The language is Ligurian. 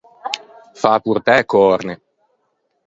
Fâ portâ e còrne.